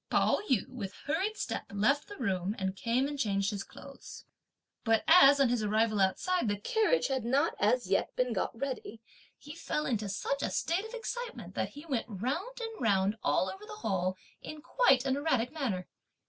Pao yü with hurried step left the room and came and changed his clothes. But as on his arrival outside, the carriage had not as yet been got ready, he fell into such a state of excitement, that he went round and round all over the hall in quite an erratic manner.